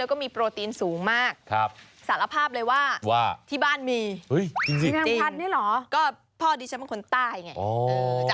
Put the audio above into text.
แล้วก็มีโปรตีนสูงมากสารภาพเลยว่าที่บ้านมีจริงเหรอก็พ่อดิฉันเป็นคนใต้ไง